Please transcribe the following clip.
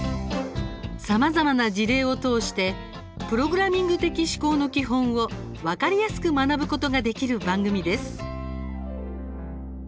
さまざまな事例を通してプログラミング的思考の基本を分かりやすく学ぶことができる番組です。